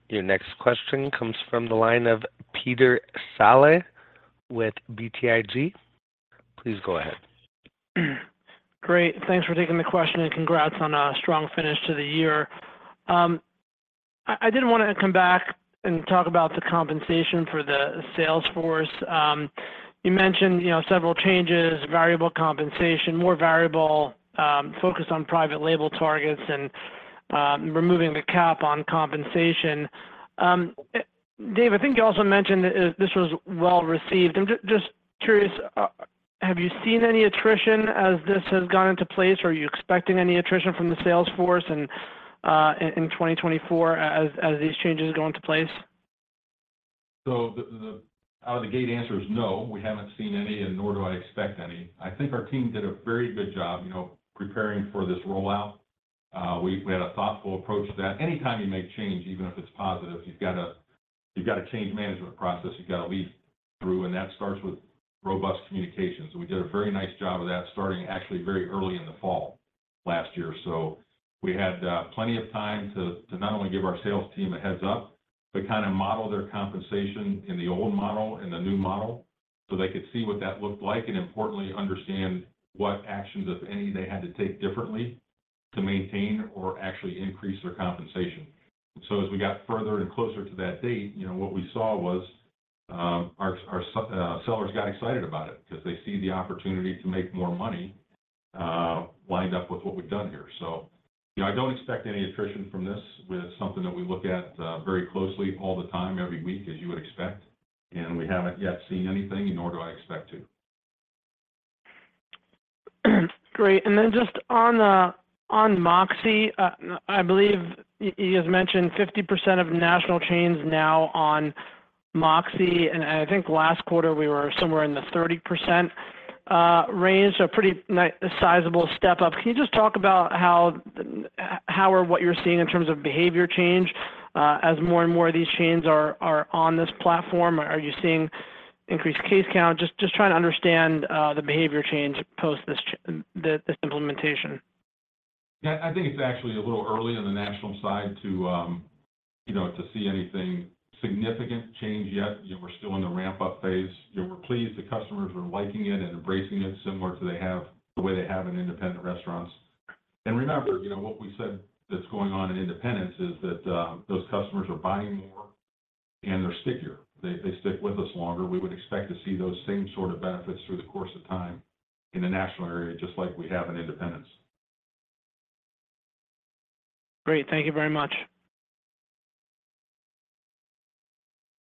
Your next question comes from the line of Peter Saleh with BTIG. Please go ahead. Great. Thanks for taking the question, and congrats on a strong finish to the year. I did want to come back and talk about the compensation for the sales force. You mentioned several changes, variable compensation, more variable, focus on private label targets, and removing the cap on compensation. Dave, I think you also mentioned that this was well received. I'm just curious, have you seen any attrition as this has gone into place? Are you expecting any attrition from the sales force in 2024 as these changes go into place? So the out-of-the-gate answer is no. We haven't seen any, and nor do I expect any. I think our team did a very good job preparing for this rollout. We had a thoughtful approach to that. Anytime you make change, even if it's positive, you've got to change management process. You've got to lead through. And that starts with robust communications. And we did a very nice job of that starting actually very early in the fall last year. So we had plenty of time to not only give our sales team a heads-up but kind of model their compensation in the old model and the new model so they could see what that looked like and, importantly, understand what actions, if any, they had to take differently to maintain or actually increase their compensation. And so as we got further and closer to that date, what we saw was our sellers got excited about it because they see the opportunity to make more money lined up with what we've done here. So I don't expect any attrition from this with something that we look at very closely all the time, every week, as you would expect. And we haven't yet seen anything, nor do I expect to. Great. And then just on MOXē, I believe you had mentioned 50% of national chains now on MOXē. And I think last quarter, we were somewhere in the 30% range, so a pretty sizable step up. Can you just talk about how or what you're seeing in terms of behavior change as more and more of these chains are on this platform? Are you seeing increased case count? Just trying to understand the behavior change post this implementation. Yeah. I think it's actually a little early on the national side to see anything significant change yet. We're still in the ramp-up phase. We're pleased the customers are liking it and embracing it similar to the way they have in independent restaurants. And remember, what we said that's going on in independents is that those customers are buying more, and they're stickier. They stick with us longer. We would expect to see those same sort of benefits through the course of time in the national area just like we have in independents. Great. Thank you very much.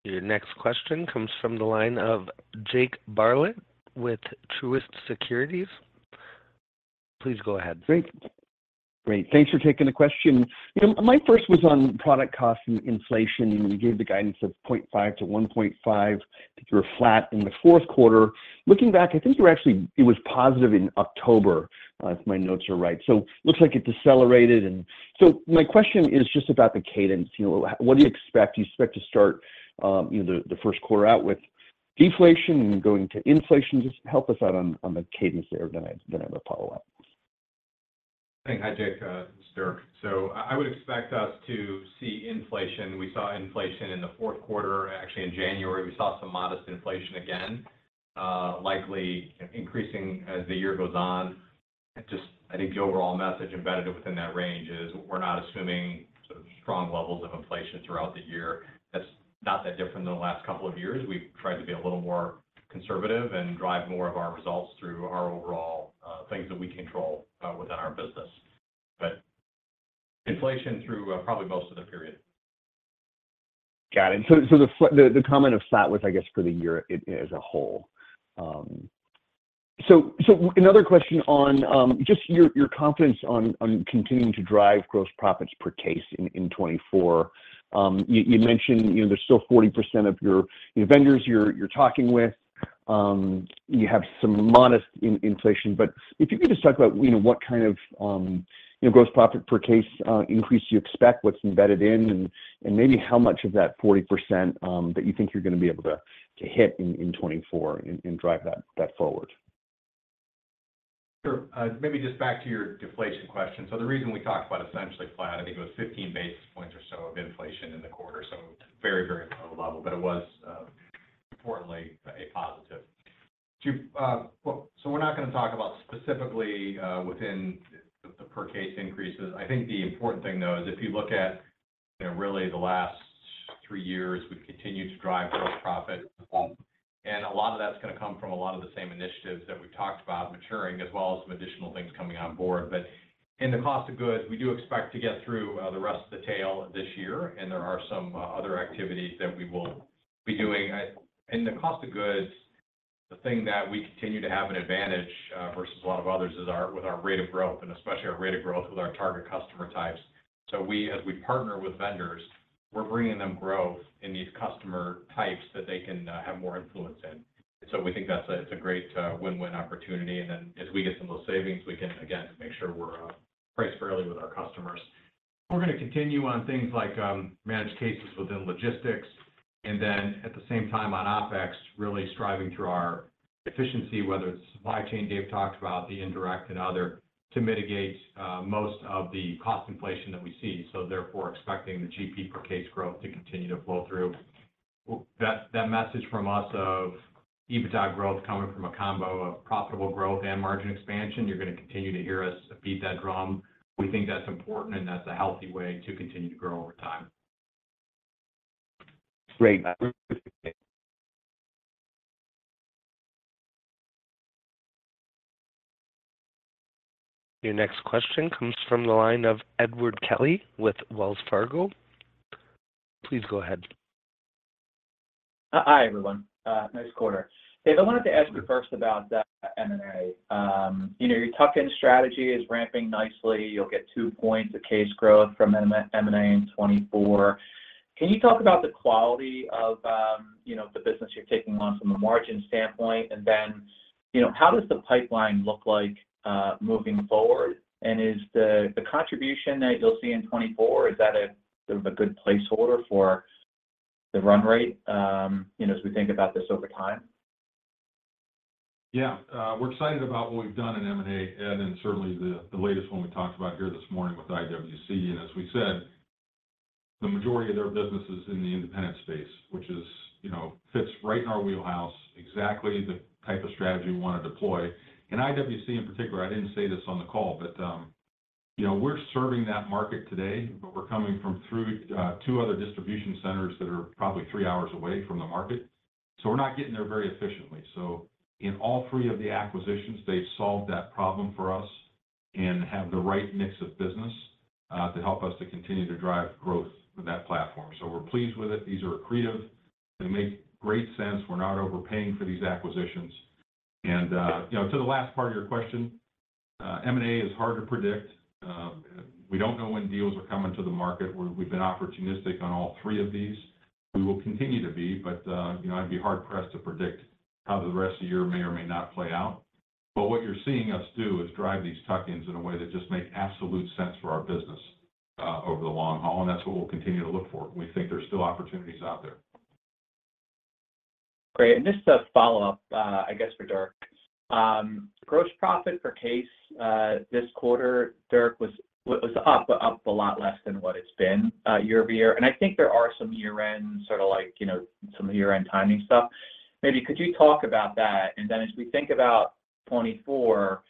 Your next question comes from the line of Jake Bartlett with Truist Securities. Please go ahead. Great. Great. Thanks for taking the question. My first was on product cost and inflation. We gave the guidance of 0.5%-1.5%. I think you were flat in the fourth quarter. Looking back, I think it was positive in October if my notes are right. So it looks like it decelerated. So my question is just about the cadence. What do you expect? Do you expect to start the first quarter out with deflation and going to inflation? Just help us out on the cadence there, and then I have a follow-up. Hey. Hi, Jake. This is Dirk. So I would expect us to see inflation. We saw inflation in the fourth quarter, actually in January. We saw some modest inflation again, likely increasing as the year goes on. I think the overall message embedded within that range is we're not assuming sort of strong levels of inflation throughout the year. That's not that different than the last couple of years. We've tried to be a little more conservative and drive more of our results through our overall things that we control within our business. But inflation through probably most of the period. Got it. So the comment of flat was, I guess, for the year as a whole. So another question on just your confidence on continuing to drive gross profits per case in 2024. You mentioned there's still 40% of your vendors you're talking with. You have some modest inflation. But if you could just talk about what kind of gross profit per case increase you expect, what's embedded in, and maybe how much of that 40% that you think you're going to be able to hit in 2024 and drive that forward? Sure. Maybe just back to your deflation question. So the reason we talked about essentially flat, I think it was 15 basis points or so of inflation in the quarter. So very, very low level. But it was, importantly, a positive. So we're not going to talk about specifically within the per-case increases. I think the important thing, though, is if you look at really the last three years, we've continued to drive gross profit. And a lot of that's going to come from a lot of the same initiatives that we've talked about maturing as well as some additional things coming on board. But in the cost of goods, we do expect to get through the rest of the tail this year. And there are some other activities that we will be doing. In the cost of goods, the thing that we continue to have an advantage versus a lot of others is with our rate of growth, and especially our rate of growth with our target customer types. So as we partner with vendors, we're bringing them growth in these customer types that they can have more influence in. And so we think that's a great win-win opportunity. And then as we get some little savings, we can, again, make sure we're priced fairly with our customers. We're going to continue on things like managed cases within logistics. And then at the same time, on OpEx, really striving through our efficiency, whether it's supply chain Dave talked about, the indirect and other, to mitigate most of the cost inflation that we see. So therefore, expecting the GP per case growth to continue to flow through. That message from us of EBITDA growth coming from a combo of profitable growth and margin expansion, you're going to continue to hear us beat that drum. We think that's important, and that's a healthy way to continue to grow over time. Great. Your next question comes from the line of Edward Kelly with Wells Fargo. Please go ahead. Hi, everyone. Nice quarter. Dave, I wanted to ask you first about M&A. Your tuck-in strategy is ramping nicely. You'll get two points of case growth from M&A in 2024. Can you talk about the quality of the business you're taking on from a margin standpoint? And then how does the pipeline look like moving forward? And is the contribution that you'll see in 2024, is that sort of a good placeholder for the run rate as we think about this over time? Yeah. We're excited about what we've done in M&A and then certainly the latest one we talked about here this morning with IWC. And as we said, the majority of their business is in the independent space, which fits right in our wheelhouse, exactly the type of strategy we want to deploy. In IWC, in particular, I didn't say this on the call, but we're serving that market today. But we're coming through two other distribution centers that are probably three hours away from the market. So in all three of the acquisitions, they've solved that problem for us and have the right mix of business to help us to continue to drive growth with that platform. So we're pleased with it. These are accretive. They make great sense. We're not overpaying for these acquisitions. To the last part of your question, M&A is hard to predict. We don't know when deals are coming to the market. We've been opportunistic on all three of these. We will continue to be. I'd be hard-pressed to predict how the rest of the year may or may not play out. What you're seeing us do is drive these tuck-ins in a way that just makes absolute sense for our business over the long haul. That's what we'll continue to look for. We think there's still opportunities out there. Great. And just a follow-up, I guess, for Dirk. Gross profit per case this quarter, Dirk, was up, but up a lot less than what it's been year-over-year. And I think there are some year-end sort of some year-end timing stuff. Maybe could you talk about that? And then as we think about 2024,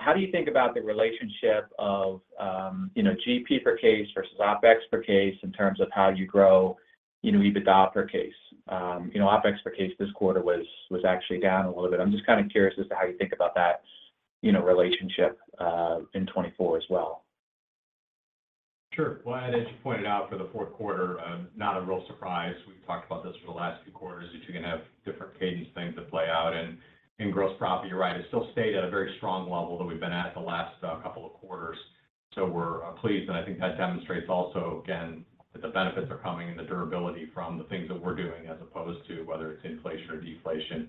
how do you think about the relationship of GP per case versus OpEx per case in terms of how you grow EBITDA per case? OpEx per case this quarter was actually down a little bit. I'm just kind of curious as to how you think about that relationship in 2024 as well. Sure. Well, as you pointed out, for the fourth quarter, not a real surprise. We've talked about this for the last few quarters, that you're going to have different cadence things that play out. And in gross profit, you're right, it's still stayed at a very strong level that we've been at the last couple of quarters. So we're pleased. And I think that demonstrates also, again, that the benefits are coming and the durability from the things that we're doing as opposed to whether it's inflation or deflation.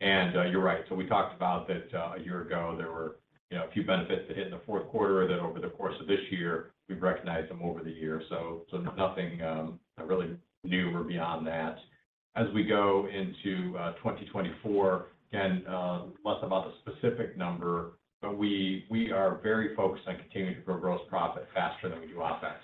And you're right. So we talked about that a year ago, there were a few benefits that hit in the fourth quarter that over the course of this year, we've recognized them over the year. So nothing really new or beyond that. As we go into 2024, again, less about the specific number, but we are very focused on continuing to grow gross profit faster than we do OpEx.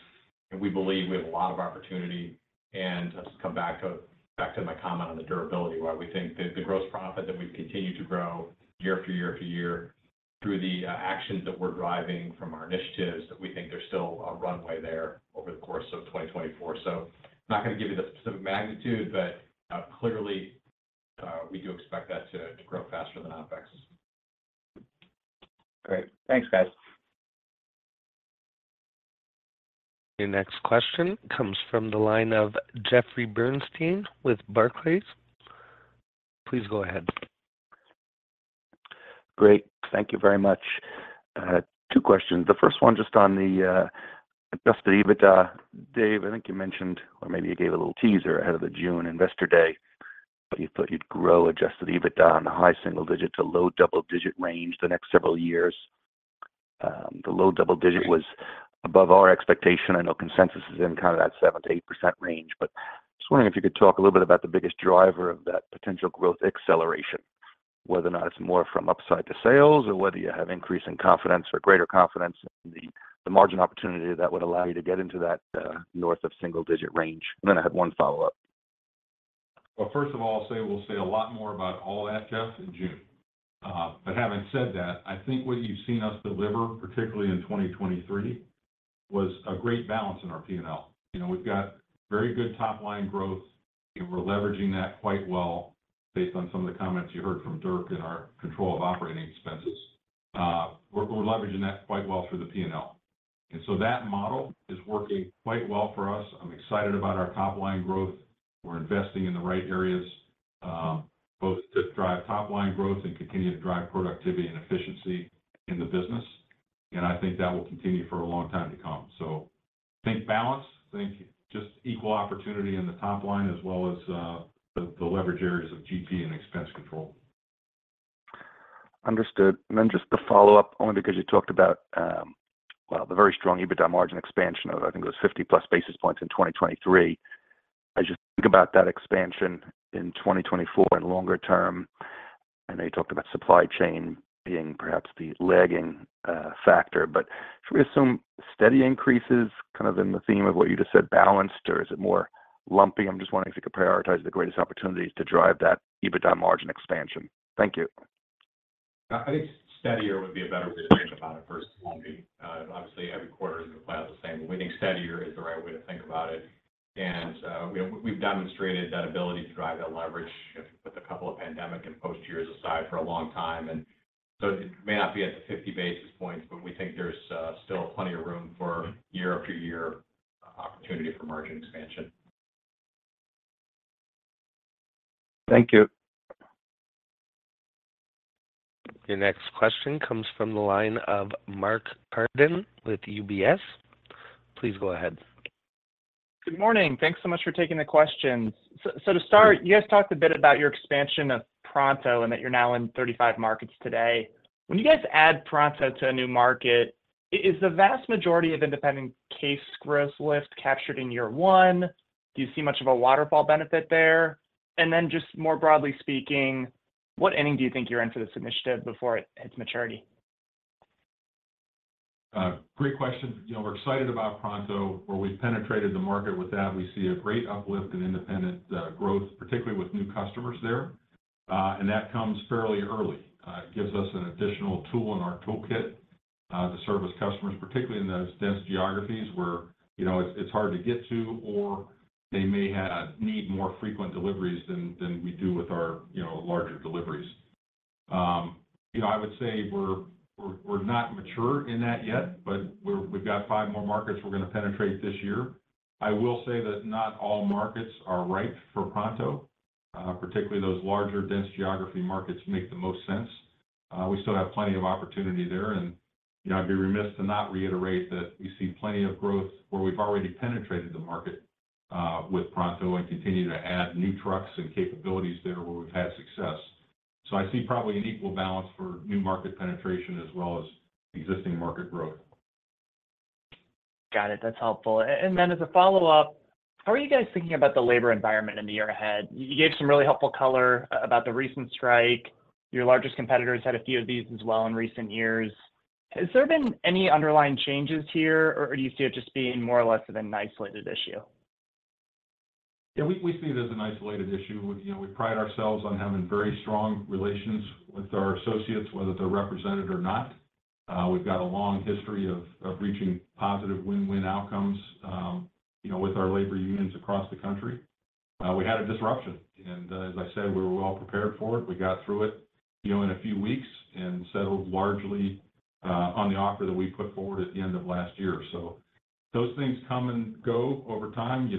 We believe we have a lot of opportunity. To come back to my comment on the durability, why we think that the gross profit that we've continued to grow year after year after year through the actions that we're driving from our initiatives, that we think there's still a runway there over the course of 2024. I'm not going to give you the specific magnitude, but clearly, we do expect that to grow faster than OpEx. Great. Thanks, guys. Your next question comes from the line of Jeffrey Bernstein with Barclays. Please go ahead. Great. Thank you very much. Two questions. The first one just on the Adjusted EBITDA. Dave, I think you mentioned or maybe you gave a little teaser ahead of the June Investor Day, but you thought you'd grow Adjusted EBITDA on the high single-digit to low double-digit range the next several years. The low double-digit was above our expectation. I know consensus is in kind of that 7%-8% range. But I was wondering if you could talk a little bit about the biggest driver of that potential growth acceleration, whether or not it's more from upside to sales or whether you have increase in confidence or greater confidence in the margin opportunity that would allow you to get into that north of single-digit range. And then I had one follow-up. Well, first of all, we'll say a lot more about all that, Jeff, in June. But having said that, I think what you've seen us deliver, particularly in 2023, was a great balance in our P&L. We've got very good top-line growth, and we're leveraging that quite well based on some of the comments you heard from Dirk in our control of operating expenses. We're leveraging that quite well through the P&L. And so that model is working quite well for us. I'm excited about our top-line growth. We're investing in the right areas both to drive top-line growth and continue to drive productivity and efficiency in the business. And I think that will continue for a long time to come. So think balance. Think just equal opportunity in the top line as well as the leverage areas of GP and expense control. Understood. And then just the follow-up, only because you talked about, well, the very strong EBITDA margin expansion of, I think it was 50+ basis points in 2023. As you think about that expansion in 2024 and longer-term, I know you talked about supply chain being perhaps the lagging factor. But should we assume steady increases kind of in the theme of what you just said, balanced, or is it more lumpy? I'm just wondering if you could prioritize the greatest opportunities to drive that EBITDA margin expansion. Thank you. I think steadier would be a better way to think about it versus lumpy. Obviously, every quarter is going to play out the same. But we think steadier is the right way to think about it. We've demonstrated that ability to drive that leverage if you put the couple of pandemic and post-years aside for a long time. So it may not be at the 50 basis points, but we think there's still plenty of room for year-over-year opportunity for margin expansion. Thank you. Your next question comes from the line of Mark Carden with UBS. Please go ahead. Good morning. Thanks so much for taking the questions. So to start, you guys talked a bit about your expansion of Pronto and that you're now in 35 markets today. When you guys add Pronto to a new market, is the vast majority of independent case growth lift captured in year one? Do you see much of a waterfall benefit there? And then just more broadly speaking, what ending do you think you're in for this initiative before it hits maturity? Great question. We're excited about Pronto. Where we've penetrated the market with that, we see a great uplift in independent growth, particularly with new customers there. And that comes fairly early. It gives us an additional tool in our toolkit to serve our customers, particularly in those dense geographies where it's hard to get to or they may need more frequent deliveries than we do with our larger deliveries. I would say we're not mature in that yet, but we've got five more markets we're going to penetrate this year. I will say that not all markets are ripe for Pronto. Particularly, those larger, dense geography markets make the most sense. We still have plenty of opportunity there. I'd be remiss to not reiterate that we see plenty of growth where we've already penetrated the market with Pronto and continue to add new trucks and capabilities there where we've had success. I see probably an equal balance for new market penetration as well as existing market growth. Got it. That's helpful. And then as a follow-up, how are you guys thinking about the labor environment in the year ahead? You gave some really helpful color about the recent strike. Your largest competitors had a few of these as well in recent years. Has there been any underlying changes here, or do you see it just being more or less of an isolated issue? Yeah, we see it as an isolated issue. We pride ourselves on having very strong relations with our associates, whether they're represented or not. We've got a long history of reaching positive win-win outcomes with our labor unions across the country. We had a disruption. As I said, we were well prepared for it. We got through it in a few weeks and settled largely on the offer that we put forward at the end of last year. Those things come and go over time. You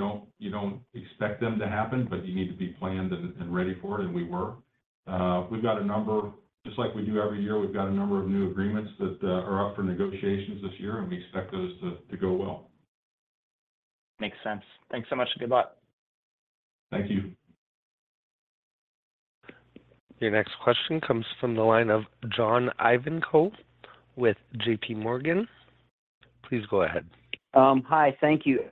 don't expect them to happen, but you need to be planned and ready for it. And we were. We've got a number just like we do every year. We've got a number of new agreements that are up for negotiations this year, and we expect those to go well. Makes sense. Thanks so much. Good luck. Thank you. Your next question comes from the line of John Ivankoe with JPMorgan. Please go ahead. Hi. Thank you.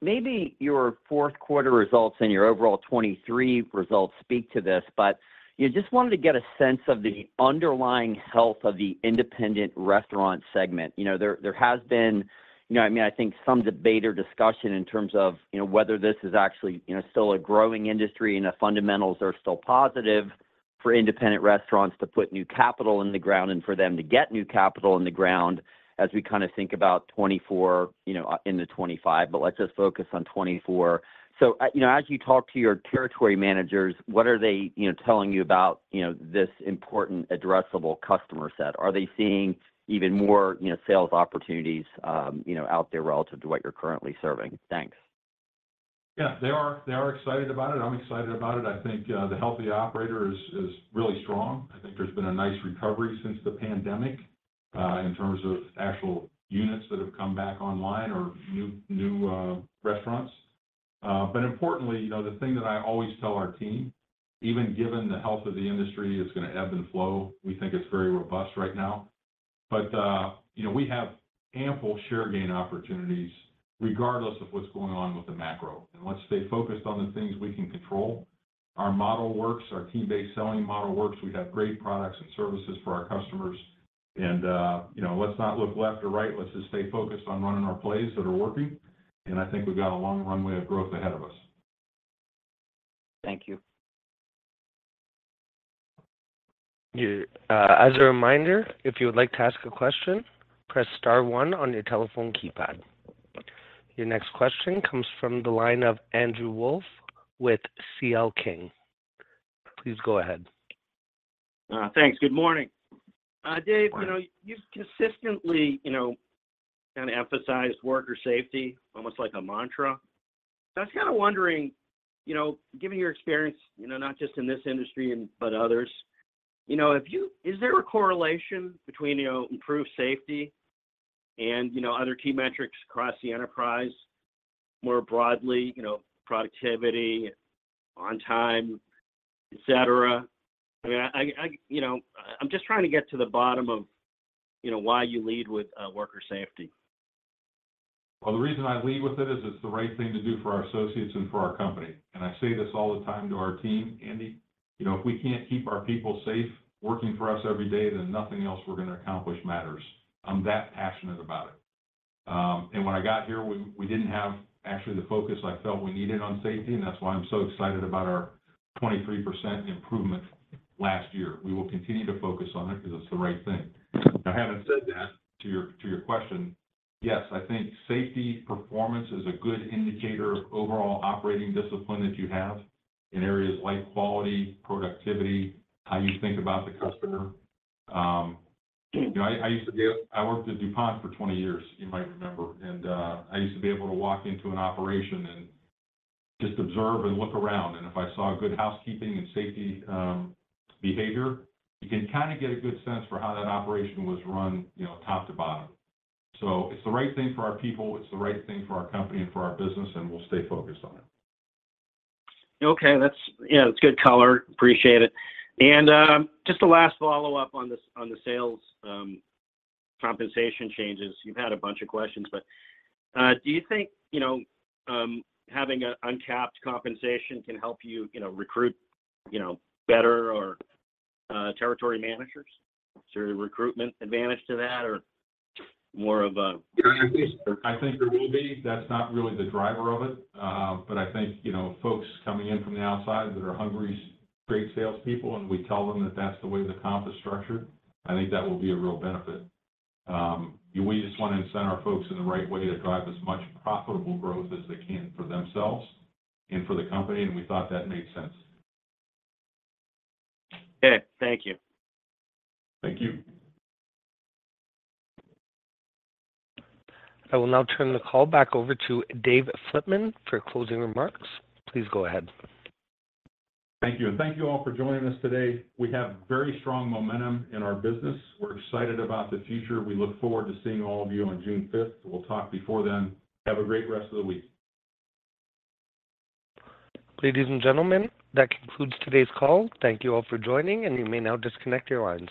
Maybe your fourth-quarter results and your overall 2023 results speak to this, but just wanted to get a sense of the underlying health of the independent restaurant segment. There has been I mean, I think some debate or discussion in terms of whether this is actually still a growing industry and the fundamentals are still positive for independent restaurants to put new capital in the ground and for them to get new capital in the ground as we kind of think about 2024 into 2025. But let's just focus on 2024. So as you talk to your territory managers, what are they telling you about this important addressable customer set? Are they seeing even more sales opportunities out there relative to what you're currently serving? Thanks. Yeah, they are excited about it. I'm excited about it. I think the healthy operator is really strong. I think there's been a nice recovery since the pandemic in terms of actual units that have come back online or new restaurants. But importantly, the thing that I always tell our team, even given the health of the industry, it's going to ebb and flow. We think it's very robust right now. But we have ample share gain opportunities regardless of what's going on with the macro. And let's stay focused on the things we can control. Our model works. Our team-based selling model works. We have great products and services for our customers. And let's not look left or right. Let's just stay focused on running our plays that are working. And I think we've got a long runway of growth ahead of us. Thank you. As a reminder, if you would like to ask a question, press star one on your telephone keypad. Your next question comes from the line of Andrew Wolf with CL King. Please go ahead. Thanks. Good morning. Dave, you've consistently kind of emphasized worker safety almost like a mantra. So I was kind of wondering, given your experience not just in this industry but others, is there a correlation between improved safety and other key metrics across the enterprise more broadly, productivity, on time, etc.? I mean, I'm just trying to get to the bottom of why you lead with worker safety. Well, the reason I lead with it is it's the right thing to do for our associates and for our company. And I say this all the time to our team, "Andy, if we can't keep our people safe working for us every day, then nothing else we're going to accomplish matters." I'm that passionate about it. And when I got here, we didn't have actually the focus I felt we needed on safety. And that's why I'm so excited about our 23% improvement last year. We will continue to focus on it because it's the right thing. Now, having said that, to your question, yes, I think safety performance is a good indicator of overall operating discipline that you have in areas like quality, productivity, how you think about the customer. I used to be able I worked at DuPont for 20 years, you might remember. I used to be able to walk into an operation and just observe and look around. If I saw good housekeeping and safety behavior, you can kind of get a good sense for how that operation was run top to bottom. It's the right thing for our people. It's the right thing for our company and for our business. We'll stay focused on it. Okay. Yeah, that's good color. Appreciate it. And just the last follow-up on the sales compensation changes. You've had a bunch of questions, but do you think having an uncapped compensation can help you recruit better territory managers? Is there a recruitment advantage to that or more of a? Yeah, I think there will be. That's not really the driver of it. But I think folks coming in from the outside that are hungry great salespeople, and we tell them that that's the way the comp is structured, I think that will be a real benefit. We just want to incent our folks in the right way to drive as much profitable growth as they can for themselves and for the company. And we thought that made sense. Okay. Thank you. Thank you. I will now turn the call back over to Dave Flitman for closing remarks. Please go ahead. Thank you. Thank you all for joining us today. We have very strong momentum in our business. We're excited about the future. We look forward to seeing all of you on June 5th. We'll talk before then. Have a great rest of the week. Ladies and gentlemen, that concludes today's call. Thank you all for joining, and you may now disconnect your lines.